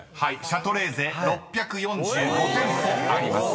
［シャトレーゼ６４５店舗あります］